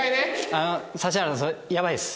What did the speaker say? あの指原さんそれやばいです。